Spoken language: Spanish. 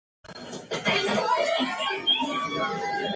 Y que existe una amplia posibilidad de robo de datos.